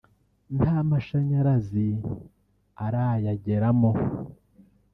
nta mashanyarazi arayageramo